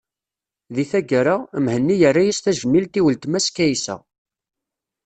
Di taggara, Mhenni yerra-as tajmilt i weltma-s Kaysa.